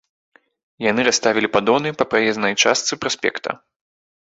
Яны расставілі паддоны на праезнай частцы праспекта.